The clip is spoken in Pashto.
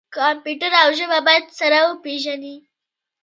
کمپیوټر او ژبه باید سره وپیژني.